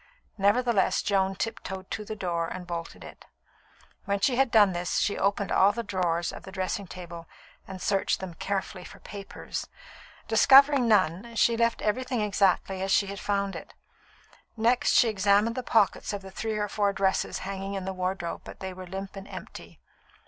Nevertheless, Joan tiptoed to the door and bolted it. When she had done this, she opened all the drawers of the dressing table and searched them carefully for papers. Discovering none, she left everything exactly as she had found it. Next she examined the pockets of the three or four dresses hanging in the wardrobe, but they were limp and empty.